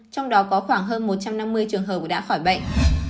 trong đó có khoảng hơn một trăm năm mươi trường hợp đã khỏi bệnh